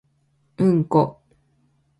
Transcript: うんこ